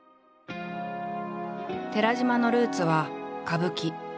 寺島のルーツは歌舞伎。